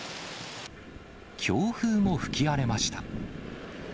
強風も吹き荒れました。